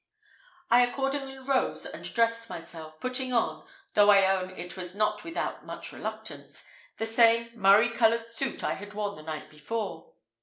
I accordingly rose and dressed myself, putting on, though I own it was not without much reluctance, the same murrey coloured suit I had worn the night before.